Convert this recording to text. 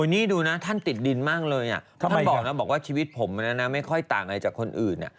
นี่ดูนะท่านติดดินมากเลยเพราะท่านบอกนะบอกว่าชีวิตผมไม่ค่อยต่างอะไรจากคนอื่น